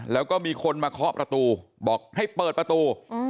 แล้วก็มีคนมาเคาะประตูบอกให้เปิดประตู